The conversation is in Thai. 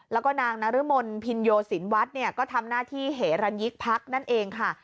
แล้วก็นางนรมนศ์พิญโยศิลวัฒน์ก็ทำหน้าที่เหระยิกพรรคนั่นเองค่ะ